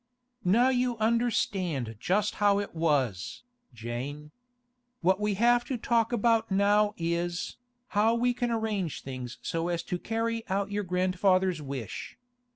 'Now you understand just how it was, Jane. What we have to talk about now is, how we can arrange things so as to carry out your grandfather's wish.